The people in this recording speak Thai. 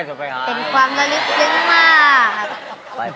เป็นความรักนิดนึงมาก